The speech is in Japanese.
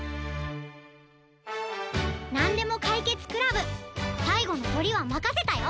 なんでもかいけつクラブさいごのトリはまかせたよ！